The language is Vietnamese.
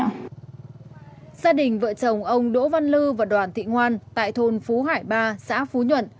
gia đình vợ chồng ông đỗ văn lư và đoàn thị ngoan tại thôn phú hải ba xã phú nhuận